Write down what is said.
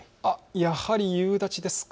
やはり夕立ですか。